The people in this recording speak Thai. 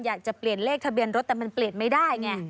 อยากจะเปลี่ยนเลขทะเบียนรถแต่มันเปลี่ยนไม่ได้ไง